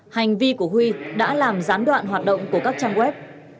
hành vi của huy đã làm gián đoạn hoạt động của các trang web